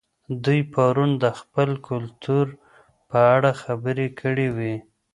دوی پرون د خپل کلتور په اړه خبرې کړې وې.